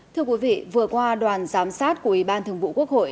thưa quý vị vừa qua đoàn giám sát của ủy ban thường vụ quốc hội